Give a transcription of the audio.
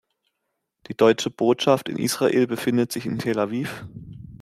Die Deutsche Botschaft in Israel befindet sich in Tel Aviv.